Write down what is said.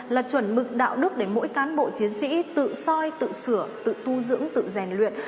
là chuẩn mực đạo đức để mỗi cán bộ chiến sĩ tự soi tự sửa tự tu dưỡng tự rèn luyện